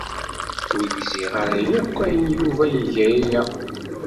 Ur gziɣ ara akk ayen Yuba i iga aya.